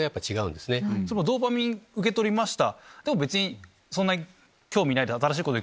ドーパミン受け取りました！